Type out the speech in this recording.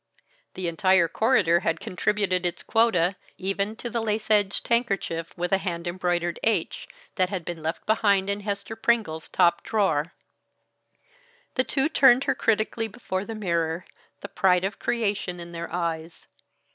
The entire corridor had contributed its quota, even to the lace edged handkerchief with a hand embroidered "H" that had been left behind in Hester Pringle's top drawer. The two turned her critically before the mirror, the pride of creation in their eyes.